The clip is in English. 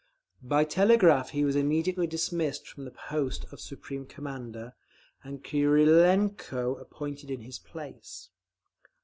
By telegraph he was immediately dismissed from the post of Supreme Commander, and Krylenko appointed in his place.